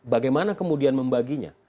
bagaimana kemudian membaginya